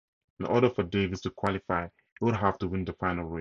In order for Davis to qualify, he would have to win the final race.